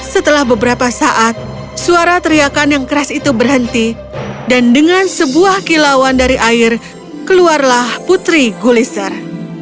setelah beberapa saat suara teriakan yang keras itu berhenti dan dengan sebuah kilauan dari air keluarlah putri gulister